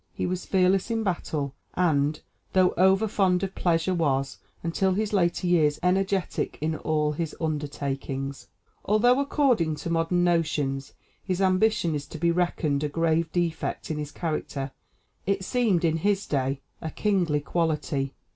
He was fearless in battle, and, though over fond of pleasure was, until his later years, energetic in all his undertakings. Although according to modern notions his ambition is to be reckoned a grave defect in his character, it seemed in his day a kingly quality.